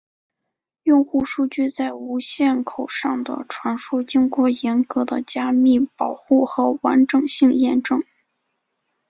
用户数据在无线口上的传输经过严格的加密保护和完整性验证。